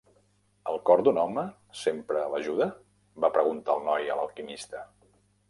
"El cor d'un home sempre l'ajuda?", va preguntar el noi a l'alquimista.